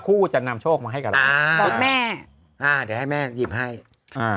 จะนำโชคมาให้กับเราอ่ารถแม่อ่าเดี๋ยวให้แม่หยิบให้อ่า